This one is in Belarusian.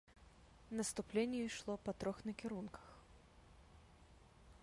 Наступленне ішло па трох накірунках.